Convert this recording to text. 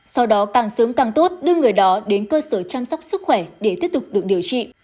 sau đó càng sớm càng tốt đưa người đó đến cơ sở chăm sóc sức khỏe để tiếp tục được điều trị